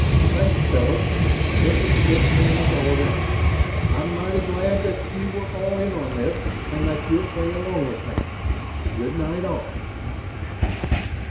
"Thanks, fellows." Hilton shook hands all around. "I'm mighty glad that you were all in on this and that you'll play along with me. Good night, all."